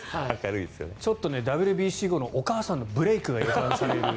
ちょっとＷＢＣ後のお母さんのブレークが予感される。